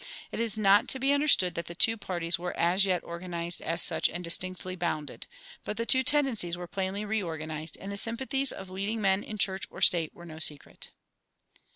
It is not to be understood that the two parties were as yet organized as such and distinctly bounded; but the two tendencies were plainly recognized, and the sympathies of leading men in church or state were no secret.